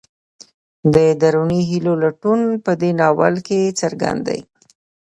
د دروني هیلو لټون په دې ناول کې څرګند دی.